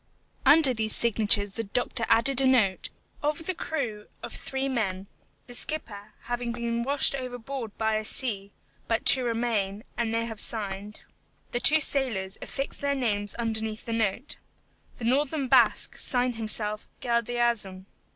Under these signatures the doctor added a note: "Of the crew of three men, the skipper having been washed overboard by a sea, but two remain, and they have signed." The two sailors affixed their names underneath the note. The northern Basque signed himself, GALDEAZUN.